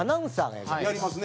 やりますね。